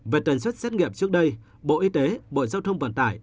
về tần suất xét nghiệm trước đây bộ y tế bộ giao thông vận tải